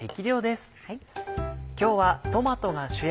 今日はトマトが主役。